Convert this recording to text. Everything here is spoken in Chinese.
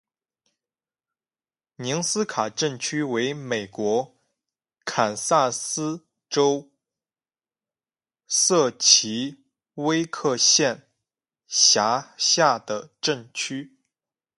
宁斯卡镇区为美国堪萨斯州塞奇威克县辖下的镇区。